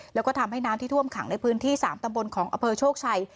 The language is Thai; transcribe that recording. แล้วก็ทำให้น้ำที่ท่วมขังในพื้นที่๓ตำบลของอำเภอโชคชัย